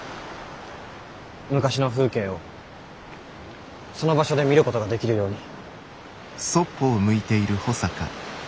昔の風景をその場所で見ることができるように。